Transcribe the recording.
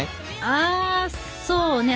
あそうね